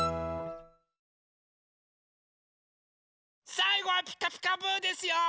さいごは「ピカピカブ！」ですよ！